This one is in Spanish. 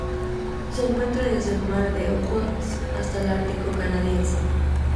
Se encuentra desde el Mar de Ojotsk hasta el Ártico canadiense.